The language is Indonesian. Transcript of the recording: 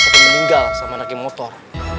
sampai meninggal sama anak yang motor